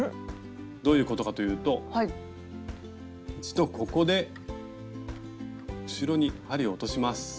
どういうことかというと一度ここで後ろに針を落とします。